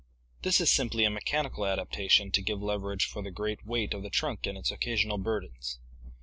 This is simply a mechanical adaptation to give leverage for the great weight of the trunk and its occasional bur dens.